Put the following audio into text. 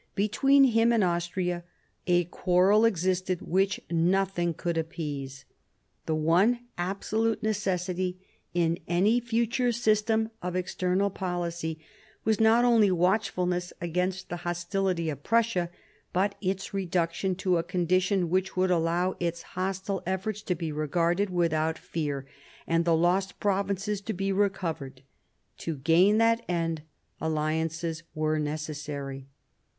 Between him and Austria a quarrel existed which nothing could appease. The one absolute necessity in any future system of external policy was not only watchfulness against the hostility of Prussia, but its reduction to a condition which would allow its hostile efforts to be regarded without fear and the lost provinces to be recovered. To gain that end alliances were necessary.